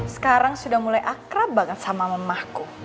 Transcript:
sekarang sudah mulai akrab banget sama mamahku